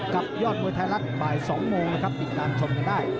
กับยอดมวยไทยลักษณ์บ่าย๒โมงนะครับปิดการชมกันได้